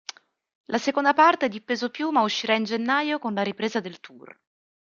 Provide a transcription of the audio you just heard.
La seconda parte di “Peso Piuma” uscirà in gennaio con la ripresa del tour.